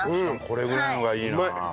これぐらいのがいいな。